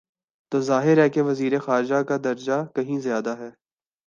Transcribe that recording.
تو ظاہر ہے کہ وزیر خارجہ کا درجہ کہیں زیادہ ہے۔